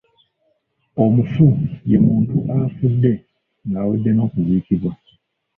Omufu ye muntu afudde ng’awedde n’okuziikibwa.